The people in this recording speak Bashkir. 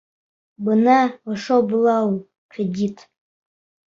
Бына ошо була ул кредит!